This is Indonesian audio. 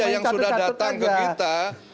yang sudah datang ke kita